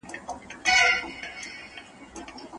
سمه لار ونیسئ او پرمخ لاړ شئ.